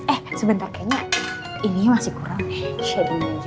eh sebentar kayaknya ini masih kurang shadingnya gitu